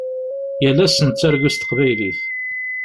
Yal ass nettargu s teqbaylit.